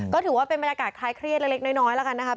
ก็ถือว่าเป็นบรรยากาศคล้ายเครียดเล็กน้อยแล้วกันนะครับ